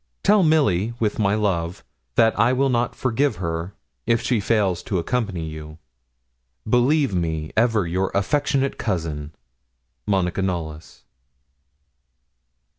Tell Milly with my love that I will not forgive her if she fails to accompany you. 'Believe me ever your affectionate cousin, 'MONICA KNOLLYS.'